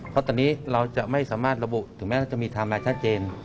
เพราะตอนนี้เราจะไม่สามารถระบุถึงแม้จะมีไทม์ไลน์ชัดเจน